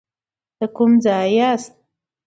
د کوم ځای یاست.